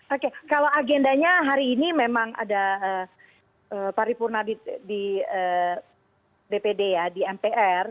oke kalau agendanya hari ini memang ada paripurna di dpd ya di mpr